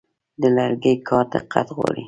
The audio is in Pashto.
د لرګي کار دقت غواړي.